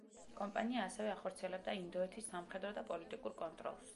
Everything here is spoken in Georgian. კომპანია ასევე ახორციელებდა ინდოეთის სამხედრო და პოლიტიკურ კონტროლს.